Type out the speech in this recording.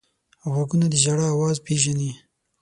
غوږونه د ژړا اواز پېژني